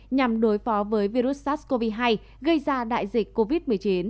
nhằm đối phó với virus sars cov hai gây ra đại dịch covid một mươi chín